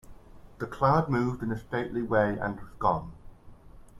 The cloud moved in a stately way and was gone.